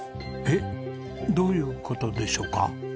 えっどういう事でしょうか？